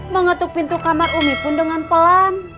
mengetuk pintu kamar umi pun dengan pelan